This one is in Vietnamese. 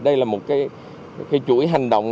đây là một chuỗi hành động